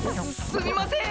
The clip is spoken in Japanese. すみません！